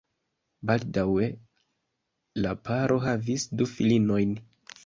Baldaŭe la paro havis du filinojn.